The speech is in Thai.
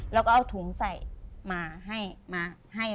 แล้วก็เอาถุงใส่มาให้